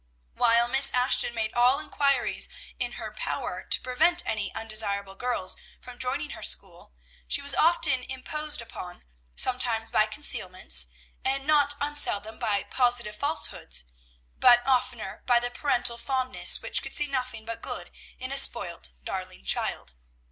While Miss Ashton made all inquiries in her power to prevent any undesirable girls from joining her school, she was often imposed upon, sometimes by concealments, and not unseldom by positive falsehoods, but oftener by the parental fondness which could see nothing but good in a spoilt, darling child.